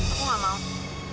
aku gak mau